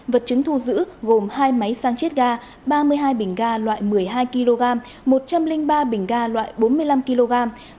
vật chứng thu giữ gồm hai máy xăng chiết ga ba mươi hai bình ga loại một mươi hai kg một trăm linh ba bình ga loại bốn mươi năm kg